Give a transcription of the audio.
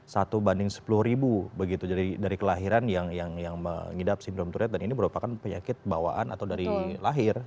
satu banding sepuluh ribu begitu jadi dari kelahiran yang mengidap sindrom turiet dan ini merupakan penyakit bawaan atau dari lahir